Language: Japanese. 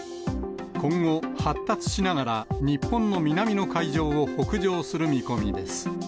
今後、発達しながら、日本の南の海上を北上する見込みです。